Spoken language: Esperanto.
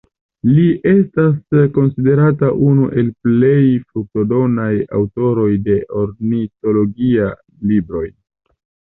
Li estas konsiderata unu el plej fruktodonaj aŭtoroj de ornitologia libroj.